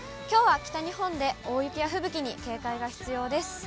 きょうは北日本で大雪や吹雪に警戒が必要です。